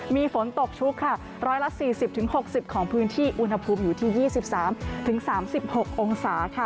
มีฝนตกชุกค่ะ๑๔๐๖๐ของพื้นที่อุณหภูมิอยู่ที่๒๓๓๖องศาค่ะ